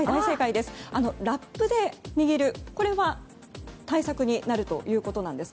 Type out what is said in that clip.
ラップで握る、これは対策になるということです。